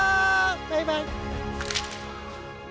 バイバイ。